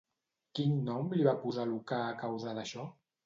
Quin nom li va posar Lucà a causa d'això?